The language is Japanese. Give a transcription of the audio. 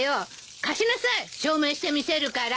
貸しなさい証明してみせるから。